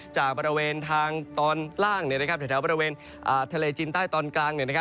จากบริเวณทางตอนล่างแถวบริเวณทะเลจีนใต้ตอนกลาง